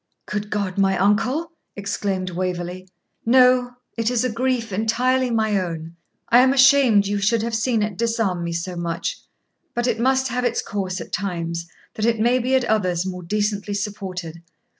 'Good God, my uncle!' exclaimed Waverley. 'No, it is a grief entirely my own. I am ashamed you should have seen it disarm me so much; but it must have its course at times, that it may be at others more decently supported.